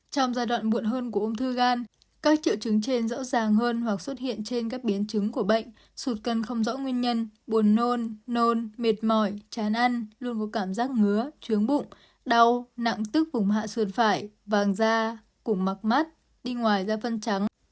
trong giai đoạn muộn hơn của ung thư gan các triệu chứng trên rõ ràng hơn hoặc xuất hiện trên các biến chứng của bệnh sụt cân không rõ nguyên nhân buồn nôn nôn mệt mỏi chán ăn luôn có cảm giác ngứa trướng bụng đau nặng tức vùng hạ xuồng phải vàng da cùng mặc mát đi ngoài da phân trắng